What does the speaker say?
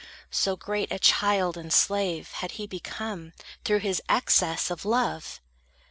So great a child and slave Had he become, through his excess of love!